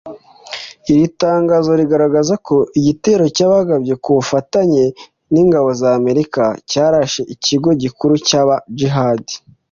Iri tangazo rigaragaza ko igitero cyagabwe ku bufatanye n’ingabo za Amerika cyarashe ikigo gikuru cy’aba Jihadi